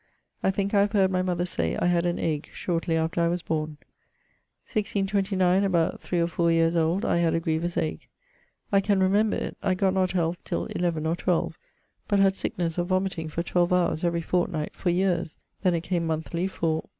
I thinke I have heard my mother say I had an ague shortly after I was borne. 1629: about 3 or 4 yeares old, I had a grievous ague. I can remember it. I gott not health till 11, or 12: but had sicknesse of vomiting for 12 howres every fortnight for ... yeares; then, it came monethly for